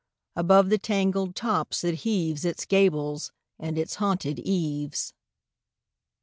Above the tangled tops it heaves Its gables and its haunted eaves.